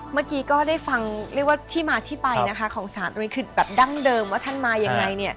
เมื่อกี้ก็ได้ฟังเรียกว่าที่มาที่ไปนะคะของสารอริคิตแบบดั้งเดิมว่าท่านมายังไง